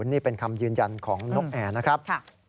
นี่เป็นคำยืนยันของนกแอร์นะครับ